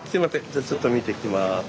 じゃあちょっと見てきます。